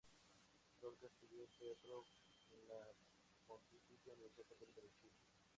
Lorca estudió teatro en la Pontificia Universidad Católica de Chile.